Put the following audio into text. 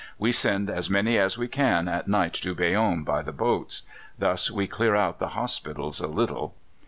We send as many as we can at night to Bayonne by the boats; thus we clear out the hospitals a little."